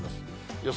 予想